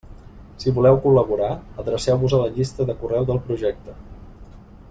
Si voleu col·laborar, adreceu-vos a la llista de correu del projecte.